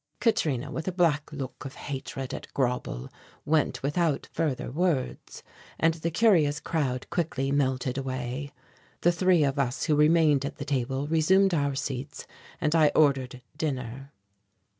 Katrina, with a black look of hatred at Grauble, went without further words, and the curious crowd quickly melted away. The three of us who remained at the table resumed our seats and I ordered dinner.